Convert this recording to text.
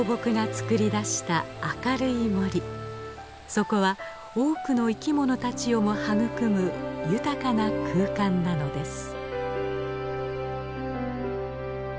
そこは多くの生き物たちをも育む豊かな空間なのです。